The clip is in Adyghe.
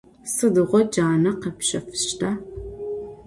Sıdiğo cane khepşefışta?